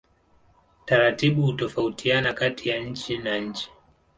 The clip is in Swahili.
Taratibu hutofautiana kati ya nchi na nchi.